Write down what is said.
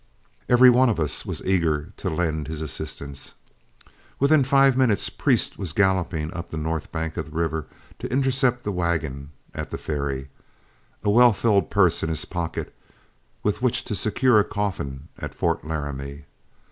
Every one of us was eager to lend his assistance. Within five minutes Priest was galloping up the north bank of the river to intercept the wagon at the ferry, a well filled purse in his pocket with which to secure a coffin at Fort Laramie.